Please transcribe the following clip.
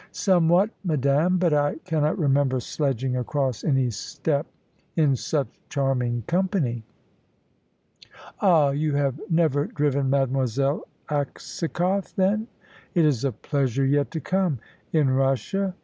"Somewhat, madame; but I cannot remember sledging across any steppe in such charming company." "Ah! You have never driven Mademoiselle Aksakoff, then?" "It is a pleasure yet to come." "In Russia?"